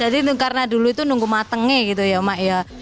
jadi karena dulu itu menunggu matangnya gitu ya mak